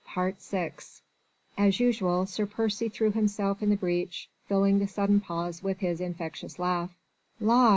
VI As usual Sir Percy threw himself in the breach, filling the sudden pause with his infectious laugh: "La!"